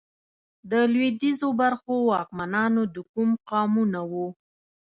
د لوېدیځو برخو واکمنان د کوم قامونه وو؟